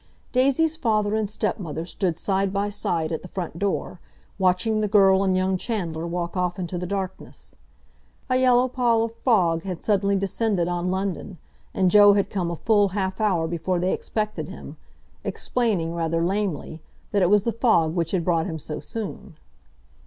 Daisy's father and stepmother stood side by side at the front door, watching the girl and young Chandler walk off into the darkness. A yellow pall of fog had suddenly descended on London, and Joe had come a full half hour before they expected him, explaining, rather lamely, that it was the fog which had brought him so soon.